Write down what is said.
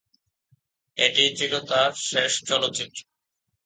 এটিই ছিল তাঁর শেষ চলচ্চিত্র।